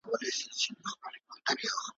یوه ورځ یې له هوا ښار ته ورپام سو ,